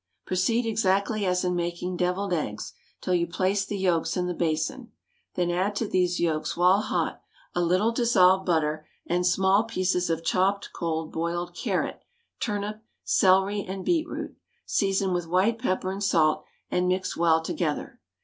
Proceed exactly as in making devilled eggs, till you place the yolks in the basin; then add to these yolks, while hot, a little dissolved butter, and small pieces of chopped cold boiled carrot, turnip, celery, and beet root; season with white pepper and salt, and mix well together.